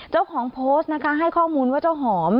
เจ้าของโพสต์นะคะให้ข้อมูลว่าเจ้าหอม